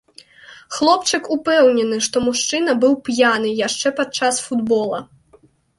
Хлопчык упэўнены, што мужчына быў п'яны яшчэ падчас футбола.